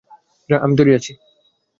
আমি তৈরি আছি।